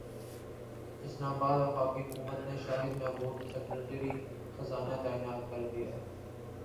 اسلام اباد وفاقی حکومت نے شاہد محمود سیکریٹری خزانہ تعینات کردیا